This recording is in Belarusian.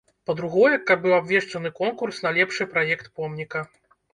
Па-другое, каб быў абвешчаны конкурс на лепшы праект помніка.